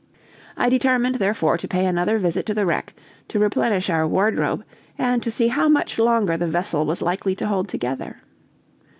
I determined, therefore, to pay another visit to the wreck, to replenish our wardrobe and to see how much longer the vessel was likely to hold together.